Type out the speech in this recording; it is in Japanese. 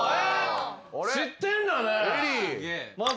知ってんだね！